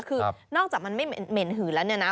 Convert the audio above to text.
คือนอกจากมันไม่เหม็นหืนแล้วเนี่ยนะ